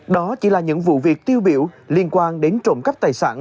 đó chỉ là những vụ việc tiêu biểu liên quan đến trộm cắp tài sản